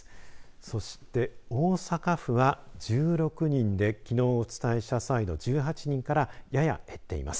そして、大阪府は１６人で、きのうお伝えした際の１８人からやや減っています。